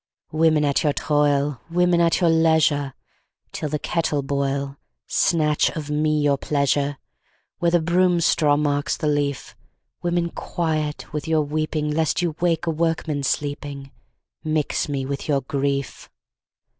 Women at your toil, Women at your leisure Till the kettle boil, Snatch of me your pleasure, Where the broom straw marks the leaf; Women quiet with your weeping Lest you wake a workman sleeping, Mix me with your grief!